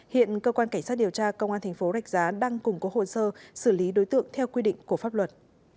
hiện cơ quan cảnh sát điều tra công an tp rạch giá đang cùng cố hồn sơ xử lý đối tượng theo quy định của pháp luật